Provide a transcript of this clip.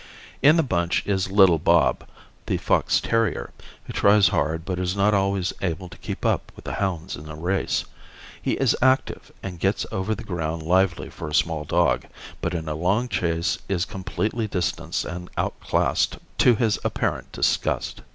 In the bunch is little Bob, the fox terrier, who tries hard but is not always able to keep up with the hounds in a race. He is active and gets over the ground lively for a small dog, but in a long chase is completely distanced and outclassed to his apparent disgust.